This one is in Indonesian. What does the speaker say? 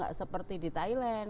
gak seperti di thailand